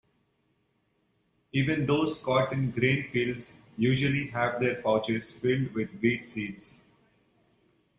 Even those caught in grain fields usually have their pouches filled with weed seeds.